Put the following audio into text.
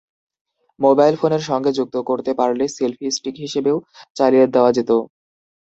Mobile ফোনের সঙ্গে যুক্ত করতে পারলে সেলফি স্টিক হিসেবেও চালিয়ে দেওয়া যেত।